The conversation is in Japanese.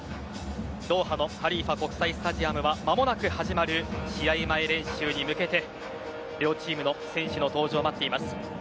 ドーハのハリーファ国際スタジアムは間もなく始まる試合前練習に向けて両チームの選手の登場を待っています。